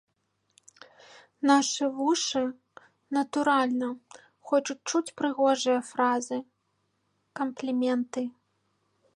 Нашы вушы, натуральна, хочуць чуць прыгожыя фразы, кампліменты.